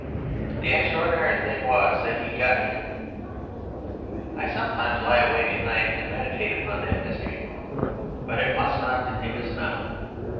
The extraordinary thing was that he got in. I sometimes lie awake at night and meditate upon that mystery; but it must not detain us now.